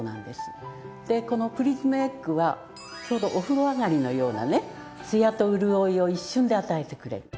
でこのプリズムエッグはちょうどお風呂上がりのようなねツヤと潤いを一瞬で与えてくれる。